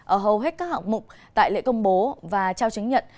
ở hầu hết các hạng mục tại lễ công bố và trao chứng nhận